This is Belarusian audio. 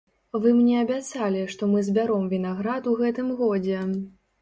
Вы мне абяцалі, што мы збяром вінаград у гэтым годзе.